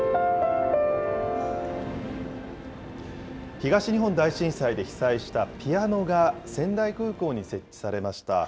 東日本大震災で被災したピアノが仙台空港に設置されました。